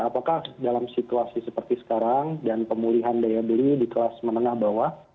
apakah dalam situasi seperti sekarang dan pemulihan daya beli di kelas menengah bawah